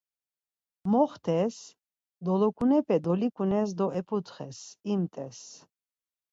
Moxtes dolokunape dolikunes do eputxes, imt̆es.